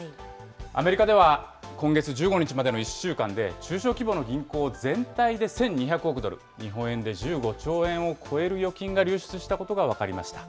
アメリカでは、今月１５日までの１週間で、中小規模の銀行全体で１２００億ドル、日本円で１５兆円を超える預金が流出したことが分かりました。